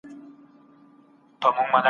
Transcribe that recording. کله د عامه ګټو لپاره ملکیت اخیستل کیږي؟